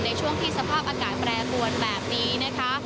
ในช่วงที่สภาพอากาศแปรปวนแบบนี้นะคะ